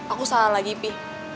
aku salah lagi pi